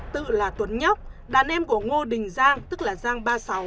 tự là tuấn nhóc đàn em của ngô đình giang tức là giang ba mươi sáu